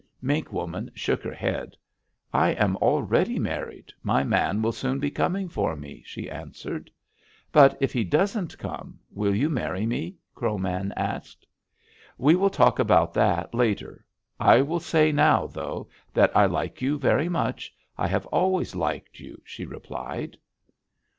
"Mink Woman shook her head: 'I am already married. My man will soon be coming for me,' she answered. "'But if he doesn't come, will you marry me?' Crow Man asked. "'We will talk about that later. I will say now, though, that I like you very much. I have always liked you,' she replied.